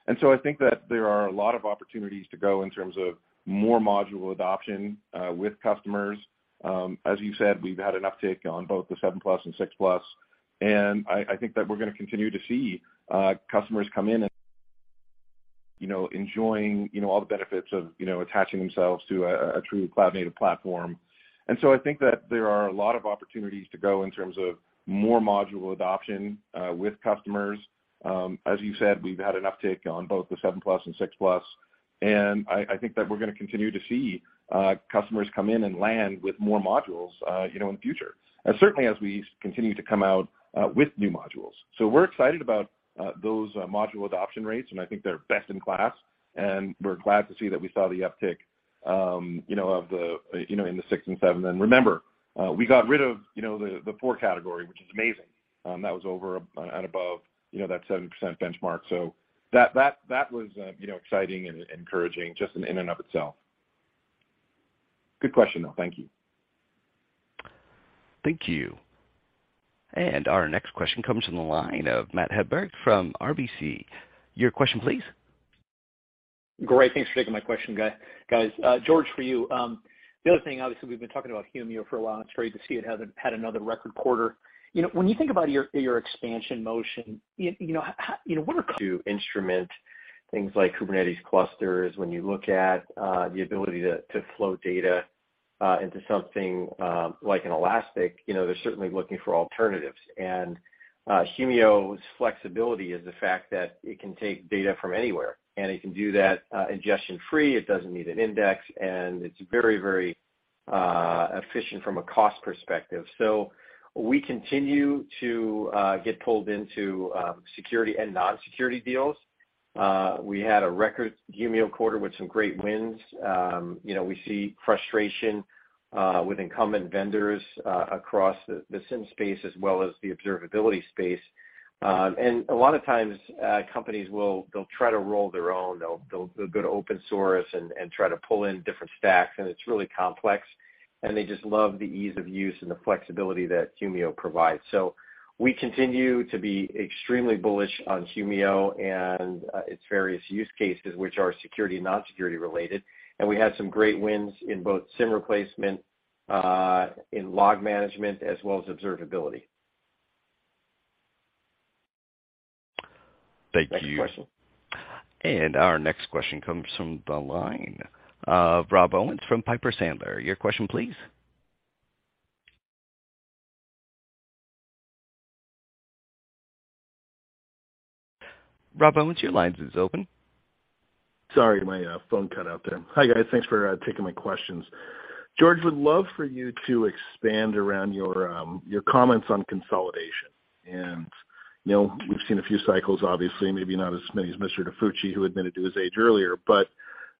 I think that there are a lot of opportunities to go in terms of more module adoption with customers. As you said, we've had an uptick on both the seven-plus and six-plus, and I think that we're gonna continue to see customers come in and you know enjoying you know all the benefits of you know attaching themselves to a true cloud-native platform. I think that there are a lot of opportunities to go in terms of more module adoption with customers. As you said, we've had an uptick on both the 7+ and 6+, and I think that we're gonna continue to see customers come in and land with more modules, you know, in the future. Certainly as we continue to come out with new modules. We're excited about those module adoption rates, and I think they're best in class, and we're glad to see that we saw the uptick, you know, in the six and seven. Remember, we got rid of, you know, the four category, which is amazing. That was over and above, you know, that 7% benchmark. That was, you know, exciting and encouraging just in and of itself. Good question, though. Thank you. Thank you. Our next question comes from the line of Matt Hedberg from RBC. Your question, please. Great. Thanks for taking my question, guys. George, for you. The other thing, obviously, we've been talking about Humio for a while, and it's great to see it has had another record quarter. You know, when you think about your expansion motion, you know, how, you know, what are- To instrument things like Kubernetes clusters, when you look at the ability to flow data into something like an Elastic, you know, they're certainly looking for alternatives. Humio's flexibility is the fact that it can take data from anywhere, and it can do that ingestion-free. It doesn't need an index, and it's very efficient from a cost perspective. We continue to get pulled into security and non-security deals. We had a record Humio quarter with some great wins. You know, we see frustration with incumbent vendors across the SIEM space as well as the observability space. A lot of times, companies will try to roll their own. They'll go to open source and try to pull in different stacks, and it's really complex, and they just love the ease of use and the flexibility that Humio provides. So we continue to be extremely bullish on Humio and its various use cases, which are security and non-security related. We had some great wins in both SIEM replacement, in log management, as well as observability. Thank you. Next question. Our next question comes from the line of Rob Owens from Piper Sandler. Your question, please. Rob Owens, your line is open. Sorry, my phone cut out there. Hi, guys. Thanks for taking my questions. George, would love for you to expand around your comments on consolidation. You know, we've seen a few cycles, obviously, maybe not as many as Mr. DiFucci, who admitted to his age earlier.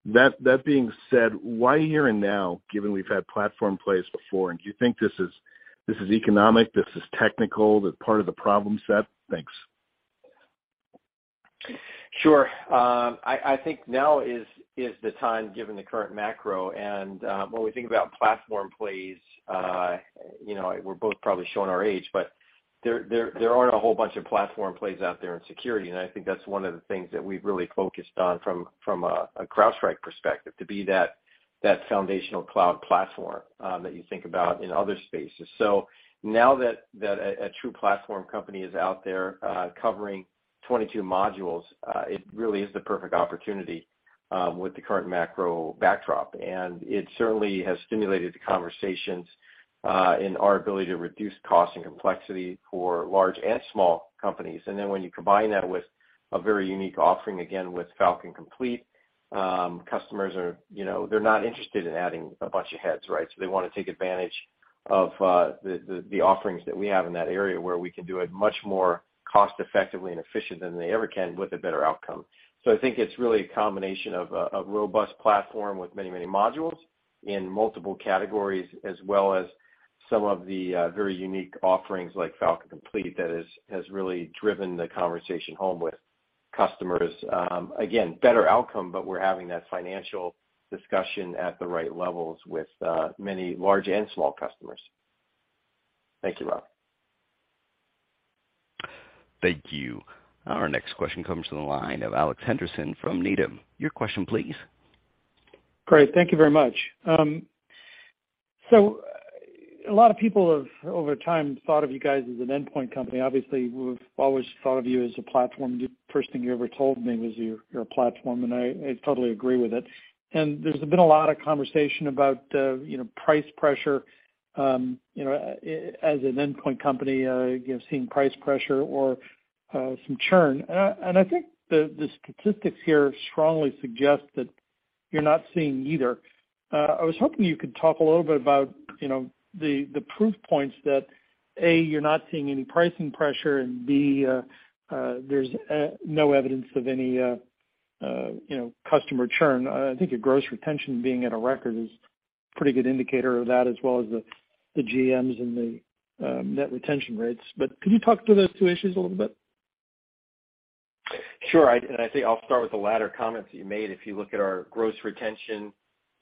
That being said, why here and now, given we've had platform plays before? Do you think this is economic, this is technical, that part of the problem set? Thanks. Sure. I think now is the time, given the current macro, and when we think about platform plays, you know, we're both probably showing our age, but there aren't a whole bunch of platform plays out there in security. I think that's one of the things that we've really focused on from a CrowdStrike perspective, to be that foundational cloud platform that you think about in other spaces. Now that a true platform company is out there, covering 22 modules, it really is the perfect opportunity with the current macro backdrop. It certainly has stimulated the conversations in our ability to reduce cost and complexity for large and small companies. When you combine that with a very unique offering, again, with Falcon Complete, customers are, you know, they're not interested in adding a bunch of heads, right? They wanna take advantage of the offerings that we have in that area where we can do it much more cost-effectively and efficiently than they ever can with a better outcome. I think it's really a combination of a robust platform with many modules in multiple categories as well as some of the very unique offerings like Falcon Complete that has really driven the conversation home with customers. Again, better outcome, but we're having that financial discussion at the right levels with many large and small customers. Thank you, Rob. Thank you. Our next question comes from the line of Alex Henderson from Needham. Your question, please. Great. Thank you very much. So a lot of people have, over time, thought of you guys as an endpoint company. Obviously, we've always thought of you as a platform. The first thing you ever told me was you're a platform, and I totally agree with it. There's been a lot of conversation about, you know, price pressure, you know, as an endpoint company, you know, seeing price pressure or some churn. I think the statistics here strongly suggest that you're not seeing either. I was hoping you could talk a little bit about, you know, the proof points that, A, you're not seeing any pricing pressure, and B, there's no evidence of any customer churn. I think your gross retention being at a record is pretty good indicator of that as well as the GMs and the net retention rates. Could you talk to those two issues a little bit? Sure. I think I'll start with the latter comments that you made. If you look at our gross retention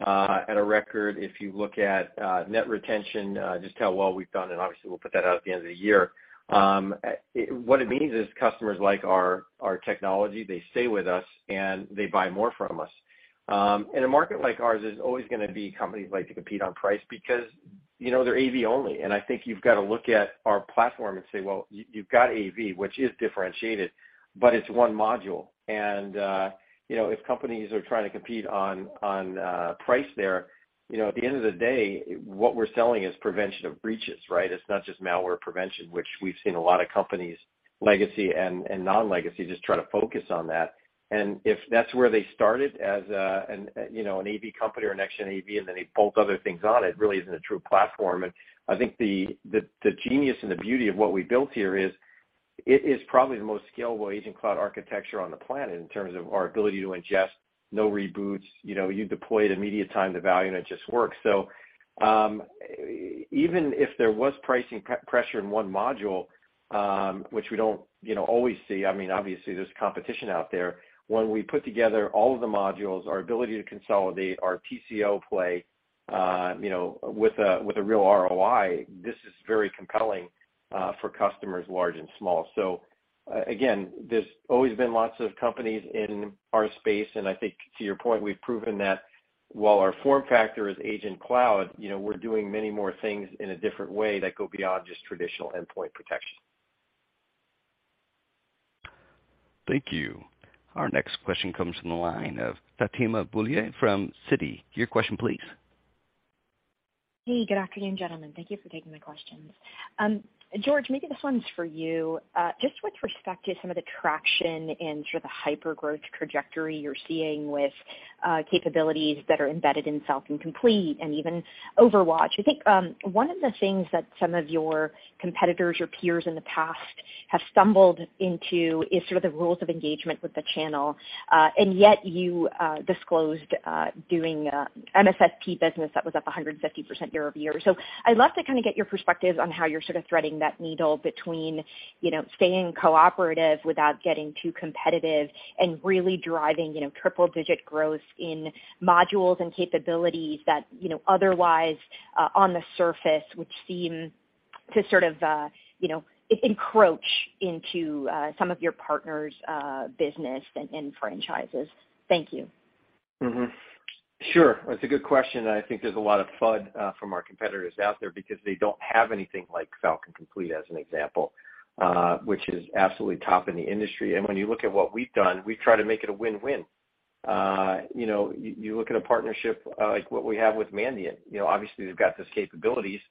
at a record, if you look at net retention, just how well we've done, and obviously we'll put that out at the end of the year. What it means is customers like our technology. They stay with us, and they buy more from us. In a market like ours, there's always gonna be companies like to compete on price because, you know, they're AV only. I think you've got to look at our platform and say, well, you've got AV, which is differentiated, but it's one module. You know, if companies are trying to compete on price there, you know, at the end of the day, what we're selling is prevention of breaches, right? It's not just malware prevention, which we've seen a lot of companies, legacy and non-legacy, just try to focus on that. If that's where they started as a you know, an AV company or next-gen AV, and then they bolt other things on, it really isn't a true platform. I think the genius and the beauty of what we built here is it is probably the most scalable agent cloud architecture on the planet in terms of our ability to ingest, no reboots. You know, you deploy it, immediate time to value, and it just works. Even if there was pricing pressure in one module, which we don't you know, always see, I mean, obviously there's competition out there. When we put together all of the modules, our ability to consolidate our TCO play, you know, with a real ROI, this is very compelling for customers large and small. Again, there's always been lots of companies in our space, and I think to your point, we've proven that while our form factor is agent cloud, you know, we're doing many more things in a different way that go beyond just traditional endpoint protection. Thank you. Our next question comes from the line of Fatima Boolani from Citi. Your question, please. Hey, good afternoon, gentlemen. Thank you for taking my questions. George, maybe this one's for you. Just with respect to some of the traction and sort of the hyper growth trajectory you're seeing with capabilities that are embedded in Falcon Complete and even OverWatch. I think one of the things that some of your competitors or peers in the past have stumbled into is sort of the rules of engagement with the channel, and yet you disclosed doing MSSP business that was up 150% year-over-year. I'd love to kind of get your perspective on how you're sort of threading that needle between, you know, staying cooperative without getting too competitive and really driving, you know, triple-digit growth in modules and capabilities that, you know, otherwise, on the surface would seem to sort of, you know, encroach into, some of your partners', business and franchises. Thank you. That's a good question, and I think there's a lot of FUD from our competitors out there because they don't have anything like Falcon Complete as an example, which is absolutely top in the industry. When you look at what we've done, we try to make it a win-win. You know, you look at a partnership like what we have with Mandiant. You know, obviously they've got these capabilities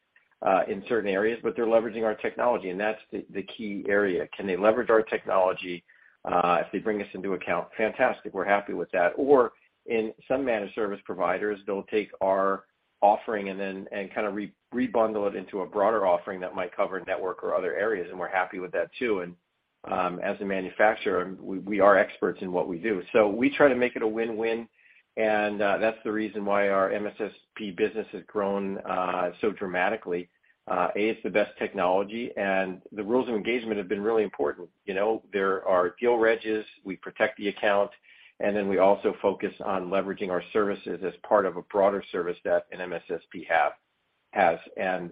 in certain areas, but they're leveraging our technology, and that's the key area. Can they leverage our technology if they bring us into account? Fantastic. We're happy with that. Or in some managed service providers, they'll take our offering and kind of rebundle it into a broader offering that might cover network or other areas, and we're happy with that too. As a manufacturer, we are experts in what we do. We try to make it a win-win, and that's the reason why our MSSP business has grown so dramatically. It's the best technology, and the rules of engagement have been really important. You know, there are deal regs, we protect the account, and then we also focus on leveraging our services as part of a broader service that an MSSP has.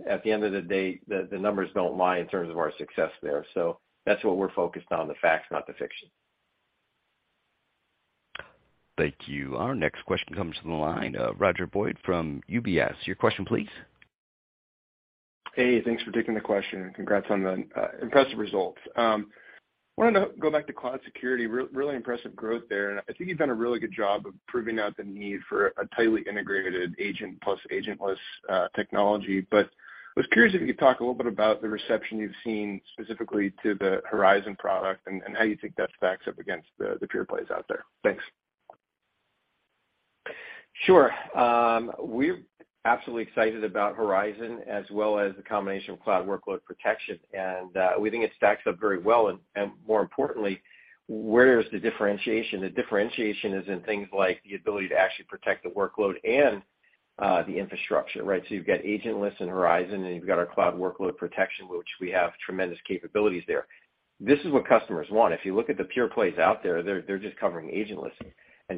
At the end of the day, the numbers don't lie in terms of our success there. That's what we're focused on, the facts, not the fiction. Thank you. Our next question comes from the line of Roger Boyd from UBS. Your question, please. Hey, thanks for taking the question, and congrats on the impressive results. Wanted to go back to cloud security, really impressive growth there. I think you've done a really good job of proving out the need for a tightly integrated agent plus agentless technology. I was curious if you could talk a little bit about the reception you've seen specifically to the Horizon product and how you think that stacks up against the pure plays out there. Thanks. Sure. We're absolutely excited about Horizon as well as the combination of cloud workload protection. We think it stacks up very well. More importantly, where is the differentiation? The differentiation is in things like the ability to actually protect the workload and the infrastructure, right? You've got agentless in Horizon, and you've got our cloud workload protection, which we have tremendous capabilities there. This is what customers want. If you look at the pure plays out there, they're just covering agentless.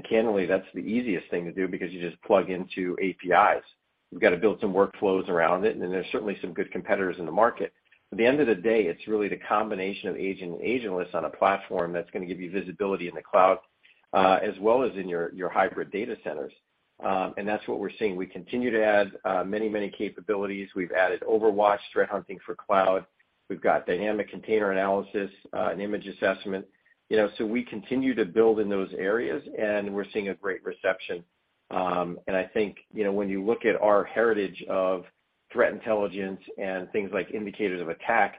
Candidly, that's the easiest thing to do because you just plug into APIs. You've got to build some workflows around it, and then there's certainly some good competitors in the market. At the end of the day, it's really the combination of agent and agentless on a platform that's gonna give you visibility in the cloud, as well as in your hybrid data centers. That's what we're seeing. We continue to add many capabilities. We've added OverWatch threat hunting for cloud. We've got dynamic container analysis and image assessment. You know, we continue to build in those areas, and we're seeing a great reception. I think, you know, when you look at our heritage of threat intelligence and things like indicators of attack,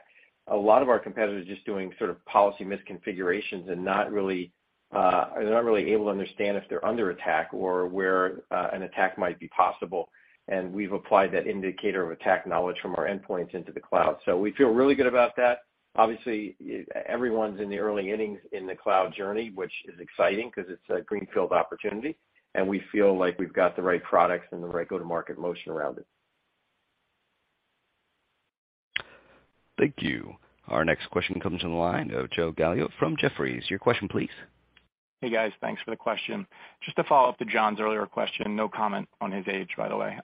a lot of our competitors are just doing sort of policy misconfigurations and not really, they're not really able to understand if they're under attack or where an attack might be possible. We've applied that indicator of attack knowledge from our endpoints into the cloud. We feel really good about that. Obviously, everyone's in the early innings in the cloud journey, which is exciting because it's a greenfield opportunity, and we feel like we've got the right products and the right go-to-market motion around it. Thank you. Our next question comes from the line of Joe Gallo from Jefferies. Your question please. Hey, guys. Thanks for the question. Just to follow up to John's earlier question, no comment on his age, by the way.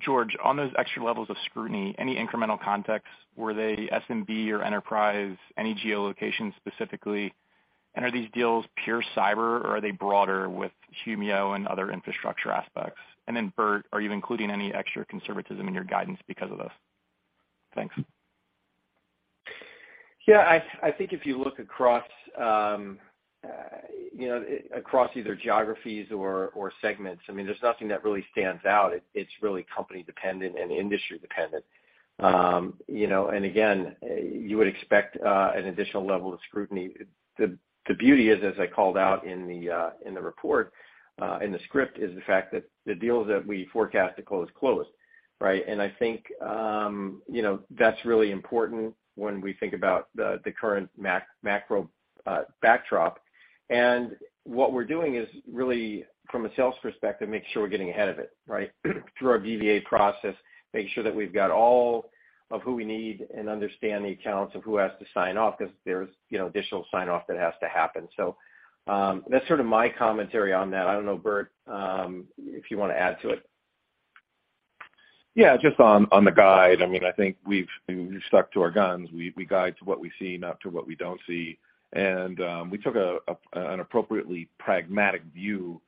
George, on those extra levels of scrutiny, any incremental context, were they SMB or enterprise? Any geolocation specifically? And are these deals pure cyber, or are they broader with Humio and other infrastructure aspects? And then Burt, are you including any extra conservatism in your guidance because of this? Thanks. Yeah, I think if you look across, you know, across either geographies or segments, I mean, there's nothing that really stands out. It's really company dependent and industry dependent. You know, and again, you would expect an additional level of scrutiny. The beauty is, as I called out in the report, in the script, is the fact that the deals that we forecast to close close, right? And I think, you know, that's really important when we think about the current macro backdrop. And what we're doing is really from a sales perspective, make sure we're getting ahead of it, right? Through our BVA process, making sure that we've got all of who we need and understand the accounts of who has to sign off, because there's, you know, additional sign-off that has to happen. That's sort of my commentary on that. I don't know, Burt, if you wanna add to it. Yeah, just on the guide, I mean, I think we've stuck to our guns. We guide to what we see, not to what we don't see. We took an appropriately pragmatic view,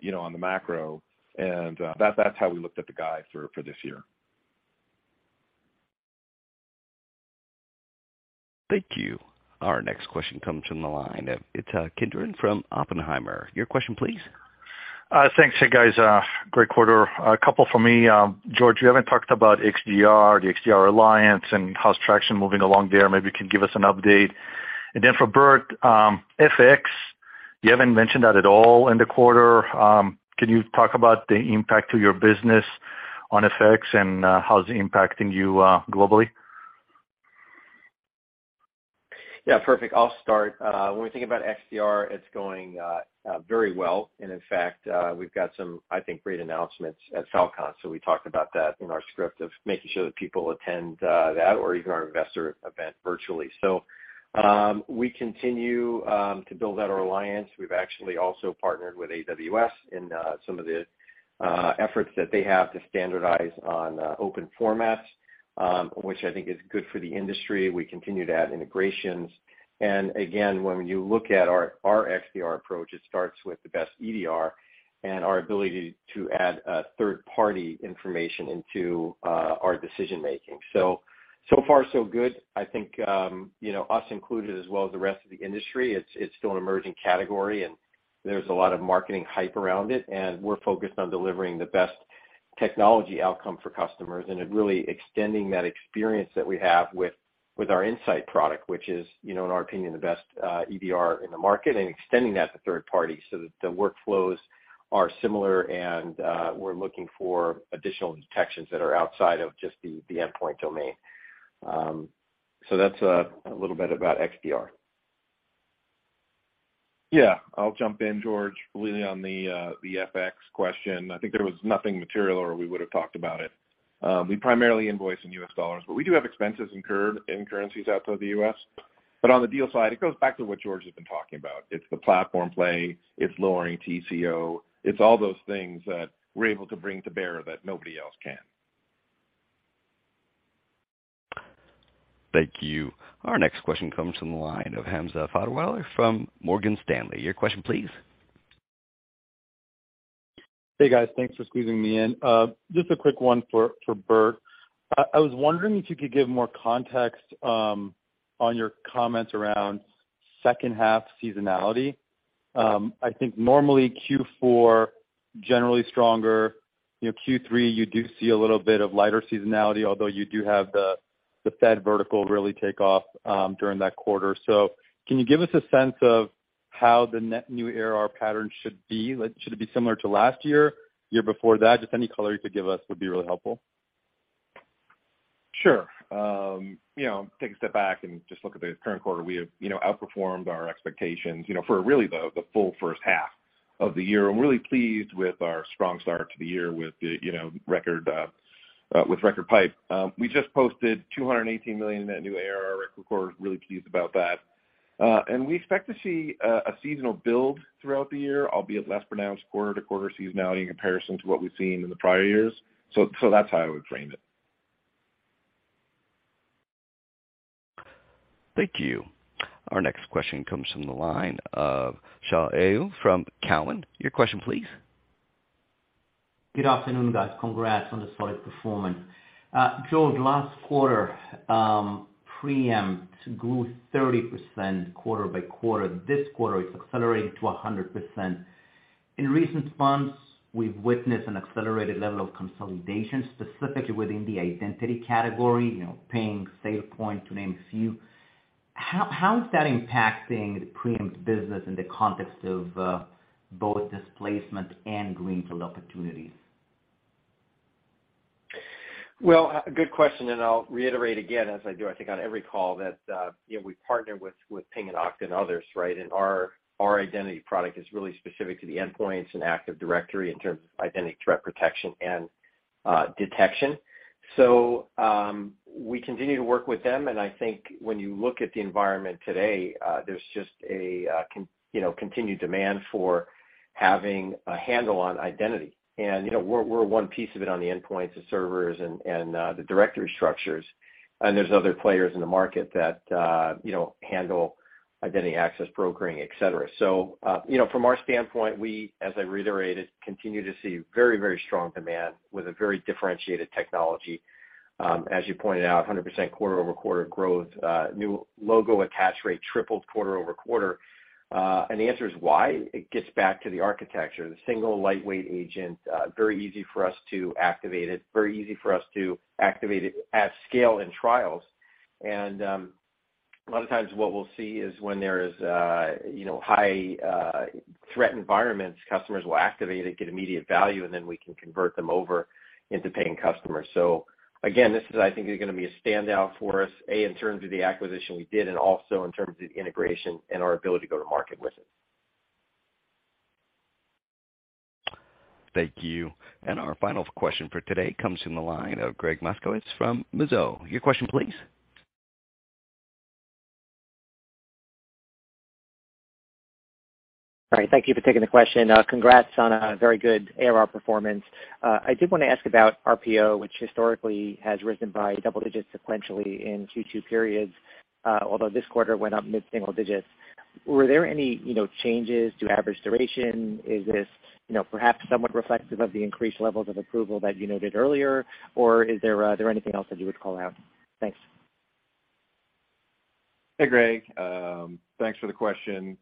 you know, on the macro. That's how we looked at the guide for this year. Thank you. Our next question comes from the line of Ittai Kidron from Oppenheimer. Your question please. Thanks. Hey, guys, great quarter. A couple from me. George, you haven't talked about XDR, the XDR Alliance and how's traction moving along there. Maybe you can give us an update. For Burt, FX, you haven't mentioned that at all in the quarter. Can you talk about the impact to your business on FX and how it's impacting you globally? Perfect. I'll start. When we think about XDR, it's going very well. In fact, we've got some, I think, great announcements at Falcon. We talked about that in our script of making sure that people attend that or even our investor event virtually. We continue to build out our alliance. We've actually also partnered with AWS in some of the efforts that they have to standardize on open formats, which I think is good for the industry. We continue to add integrations. Again, when you look at our XDR approach, it starts with the best EDR and our ability to add third-party information into our decision-making. So far, so good. I think, you know, us included as well as the rest of the industry, it's still an emerging category, and there's a lot of marketing hype around it, and we're focused on delivering the best technology outcome for customers and it really extending that experience that we have with our Insight product, which is, you know, in our opinion, the best EDR in the market and extending that to third parties so that the workflows are similar and we're looking for additional detections that are outside of just the endpoint domain. So that's a little bit about XDR. Yeah. I'll jump in, George, really on the FX question. I think there was nothing material or we would have talked about it. We primarily invoice in U.S. dollars, but we do have expenses incurred in currencies outside the U.S. On the deal side, it goes back to what George has been talking about. It's the platform play, it's lowering TCO, it's all those things that we're able to bring to bear that nobody else can. Thank you. Our next question comes from the line of Hamza Fodderwala from Morgan Stanley. Your question please. Hey, guys. Thanks for squeezing me in. Just a quick one for Burt. I was wondering if you could give more context on your comments around second half seasonality. I think normally Q4, generally stronger. You know, Q3, you do see a little bit of lighter seasonality, although you do have the federal vertical really take off during that quarter. Can you give us a sense of how the net new ARR pattern should be? Like, should it be similar to last year before that? Just any color you could give us would be really helpful. Sure. You know, take a step back and just look at the current quarter. We have, you know, outperformed our expectations, you know, for really the full first half of the year. I'm really pleased with our strong start to the year with the record pipeline. We just posted $218 million in new ARR, record quarter. Really pleased about that. We expect to see a seasonal build throughout the year, albeit less pronounced quarter-to-quarter seasonality in comparison to what we've seen in the prior years. That's how I would frame it. Thank you. Our next question comes from the line of Shaul Eyal from Cowen. Your question please. Good afternoon, guys. Congrats on the solid performance. George, last quarter, Preempt grew 30% quarter-over-quarter. This quarter it's accelerated to 100%. In recent months, we've witnessed an accelerated level of consolidation, specifically within the identity category, you know, Ping, SailPoint, to name a few. How is that impacting the Preempt business in the context of both displacement and greenfield opportunities? Well, a good question, and I'll reiterate again as I do, I think on every call that, you know, we partner with Ping and Okta and others, right? Our identity product is really specific to the endpoints and Active Directory in terms of identity threat protection and detection. We continue to work with them, and I think when you look at the environment today, there's just a, you know, continued demand for having a handle on Identity. You know, we're one piece of it on the endpoints, the servers and the directory structures. There's other players in the market that, you know, handle identity access brokering, etc. You know, from our standpoint, we, as I reiterated, continue to see very strong demand with a very differentiated technology. As you pointed out, 100% quarter-over-quarter growth, new logo attach rate tripled quarter-over-quarter. The answer is why? It gets back to the architecture, the single lightweight agent, very easy for us to activate it at scale in trials. A lot of times what we'll see is when there is, you know, high threat environments, customers will activate it, get immediate value, and then we can convert them over into paying customers. Again, this is, I think, gonna be a standout for us, A, in terms of the acquisition we did, and also in terms of integration and our ability to go to market with it. Thank you. Our final question for today comes from the line of Gregg Moskowitz from Mizuho. Your question please. All right. Thank you for taking the question. Congrats on a very good ARR performance. I did wanna ask about RPO, which historically has risen by double digits sequentially in Q2 periods, although this quarter went up mid-single digits. Were there any, you know, changes to average duration? Is this, you know, perhaps somewhat reflective of the increased levels of approval that you noted earlier? Or is there anything else that you would call out? Thanks. Hey, Gregg. Thanks for the question.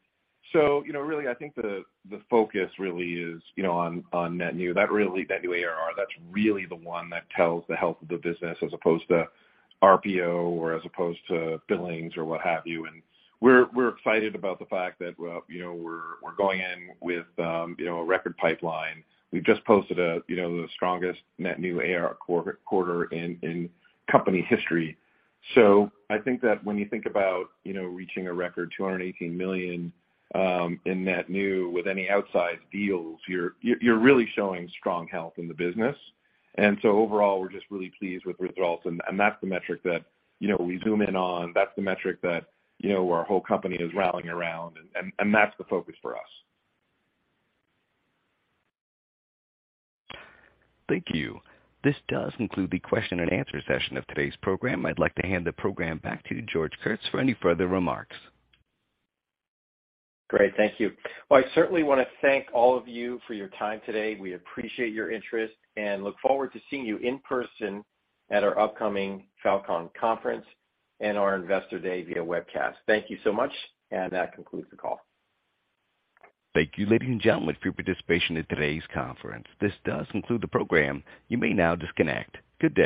You know, really, I think the focus really is, you know, on net new. That really net new ARR, that's really the one that tells the health of the business as opposed to RPO or as opposed to billings or what have you. We're excited about the fact that, you know, we're going in with, you know, a record pipeline. We've just posted you know, the strongest net new ARR quarter in company history. I think that when you think about, you know, reaching a record $218 million in net new with any outsized deals, you're really showing strong health in the business. Overall, we're just really pleased with the results, and that's the metric that, you know, we zoom in on. That's the metric that, you know, our whole company is rallying around, and that's the focus for us. Thank you. This does conclude the question and answer session of today's program. I'd like to hand the program back to George Kurtz for any further remarks. Great. Thank you. Well, I certainly wanna thank all of you for your time today. We appreciate your interest and look forward to seeing you in person at our upcoming Falcon Conference and our Investor Day via webcast. Thank you so much, and that concludes the call. Thank you, ladies and gentlemen, for your participation in today's conference. This does conclude the program. You may now disconnect. Good day.